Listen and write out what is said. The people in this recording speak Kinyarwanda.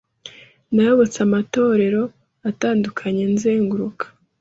nayobotse amatorero atandukanye nzenguruka